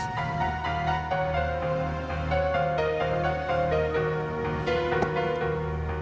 yaudah kita awasin aja terus